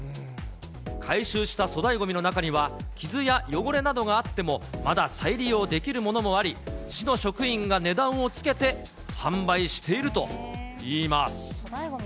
回収した粗大ごみの中には、傷や汚れなどがあってもまだ再利用できるものもあり、市の職員が値段をつけて販売しているといいます。